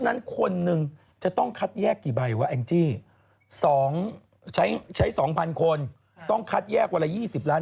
ตัวเลขแย่มากตัวเลขแย่มาก